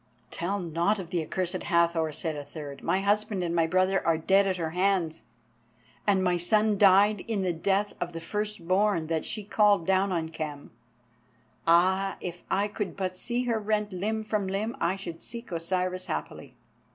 "Tell not of the accursed Hathor," said a third; "my husband and my brother are dead at her hands, and my son died in the death of the first born that she called down on Khem. Ah, if I could but see her rent limb from limb I should seek Osiris happily."